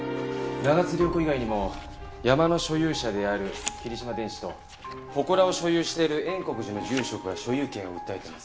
長津涼子以外にも山の所有者である霧島電子とほこらを所有している円刻寺の住職が所有権を訴えてます。